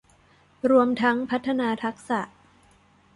รวมทั้งพัฒนาทักษะ